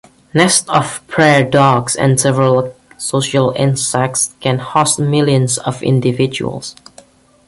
Nests of prairie dogs and several social insects can host millions of individuals.